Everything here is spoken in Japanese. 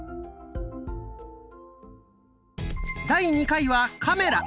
第２回はカメラ。